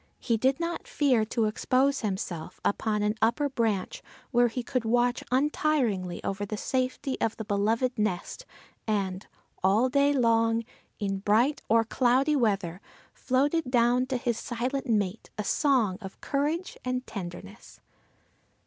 He did not fear to expose himself upon an upper branch, where he could watch untiringly over the safety of the beloved nest and all day long, in bright or cloudy weather, floated down to his silent mate a song of courage and tenderness.